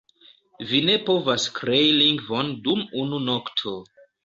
Vi ne povas krei lingvon dum unu nokto.